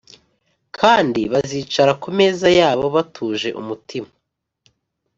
kandi bazicara ku meza yabo batuje umutima